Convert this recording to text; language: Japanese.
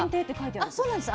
あっそうなんです。